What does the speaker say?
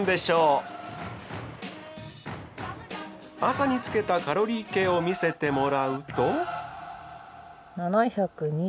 朝につけたカロリー計を見せてもらうと。